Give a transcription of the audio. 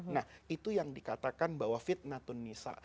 nah itu yang dikatakan bahwa fitnah tun nisa